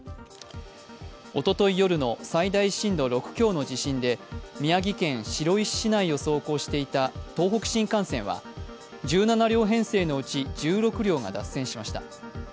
おととい夜の最大震度６強の地震で宮城県白石市内を走行していた東北新幹線は、１７両編成のうち１６両が脱線しました。